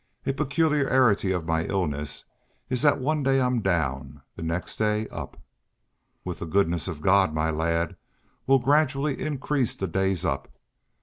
A peculiarity of my illness is that one day I'm down, the next day up." "With the goodness of God, my lad, we'll gradually increase the days up.